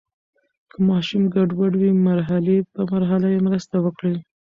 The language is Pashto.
که ماشوم ګډوډ وي، مرحلې په مرحله یې مرسته وکړئ.